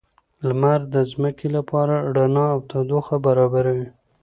لمر د ځمکې لپاره رڼا او تودوخه برابروي